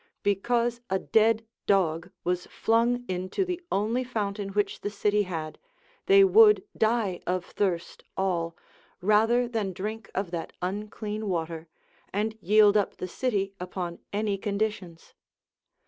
Because a dead dog was flung into the only fountain which the city had, they would die of thirst all, rather than drink of that unclean water, and yield up the city upon any conditions.